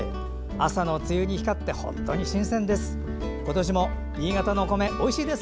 朝の露に光って本当に新鮮です。